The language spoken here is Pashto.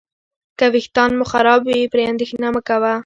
که ویښتان مو خراب وي، پرې اندېښنه مه کوه.